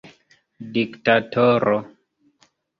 diktatoro